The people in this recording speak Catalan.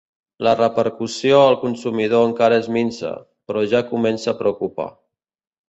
La repercussió al consumidor encara és minsa, però ja comença a preocupar.